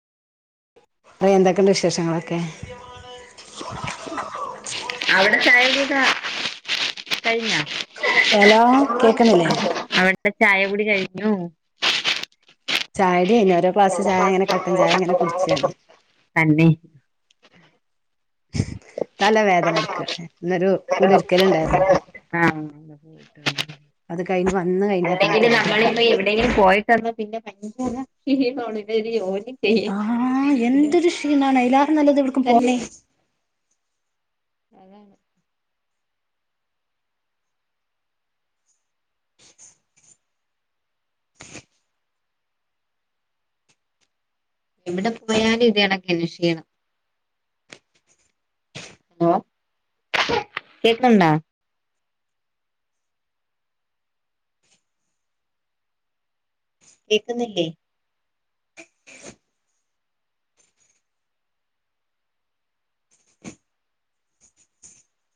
പറി എന്തൊക്കെ ഉണ്ട് വിശേഷങ്ങളൊക്കെ? അവിടെ ചായകുടി ക്കെ കഴിഞ്ഞാ ഹലോ കേക്ക്ന്നില്ലേ അവിട്ത്തെ ചായ കുടി കഴിഞ്ഞു. ചായ കുടി കഴിഞ്ഞു ഒരോ ഗ്ലാസ് ചായ കട്ടൻ ചായങ്ങനെ കുടിച്ചാണ്. തന്നെ തലവേദന എടുക്ക ഇന്നൊരു കുടില്ക്കൽ ഉണ്ടായിരുന്നു. ആഹ് അത് കഴിഞ്ഞ് വന്ന് കഴിഞ്ഞാൽ പിന്നെ അല്ലങ്കിലും നമ്മളിപ്പ തലവേദനയാണ് എവിടെയെങ്കിലും പോയിട്ട്. വന്ന് പിന്നെ ആഹ് [unintelligible] [unintelligible] എന്തൊരു ക്ഷീണാണ് അയിലാറും നല്ലത് എവിടക്കും പോ തന്നെ അതാണ് [inaudible] എവിടെ പോയാലും ഇത് [unintelligible] ക്ഷീണം ഹലോ കേൾക്കുന്നുണ്ടോ? കേൾക്കുന്നില്ലേ?